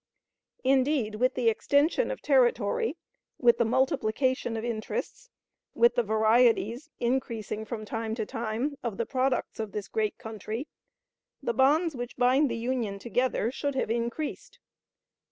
Indeed, with the extension of territory, with the multiplication of interests, with the varieties, increasing from time to time, of the products of this great country, the bonds which bind the Union together should have increased.